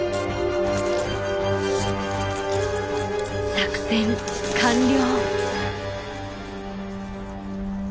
作戦完了！